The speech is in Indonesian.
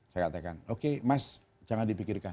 saya katakan oke mas jangan dipikirkan